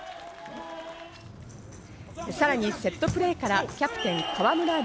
さらにセットプレーからキャプテン・川村怜